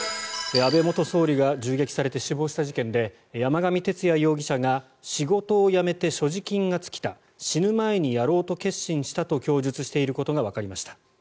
安倍元総理が銃撃されて死亡した事件で山上徹也容疑者が仕事を辞めて所持金が尽きた死ぬ前にやろうと決心したと供述していることがわかりました。